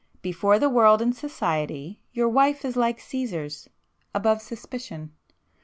Before the world and society, your wife is like Cæsar's, above suspicion.